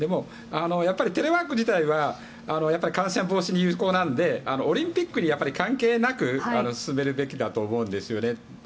テレワーク自体は感染防止に有効なのでオリンピックに関係なく進めるべきだと思うんですよね。